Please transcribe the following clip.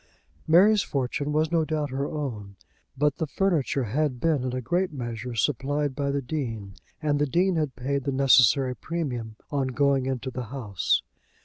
Mary's fortune was no doubt her own; but the furniture had been in a great measure supplied by the Dean, and the Dean had paid the necessary premium on going into the house.